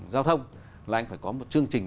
giao thông là anh phải có một chương trình